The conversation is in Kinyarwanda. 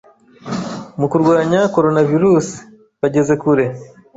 mu kurwanya coronavirus bageze kure